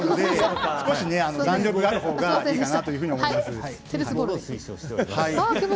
少し弾力のある方がいいと思います。